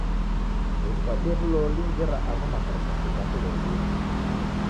Ndediw'adie w'uloli ngera agho makaratasi ni gha kilolia.